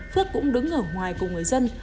phước cũng đứng ở ngoài cùng người dân